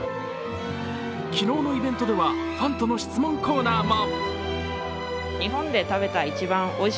昨日のイベントでは、ファンとの質問コーナーも。